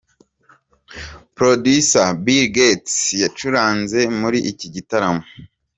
Producer BillGates yacuranze muri iki gitaramo.